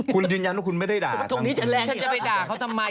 คุณยืนยันว่าคุณไม่ได้ด่าทั้งคู่